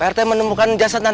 aku akan menganggap